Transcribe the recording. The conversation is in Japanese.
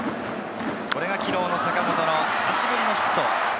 これが昨日の坂本の久しぶりのヒット。